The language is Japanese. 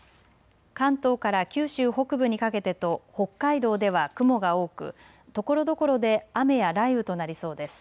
関東から九州北部にかけてと北海道では雲が多くところどころで雨や雷雨となりそうです。